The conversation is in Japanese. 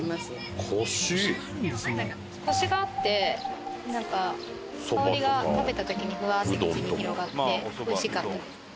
コシがあってなんか香りが食べた時にフワーッて口に広がっておいしかったです。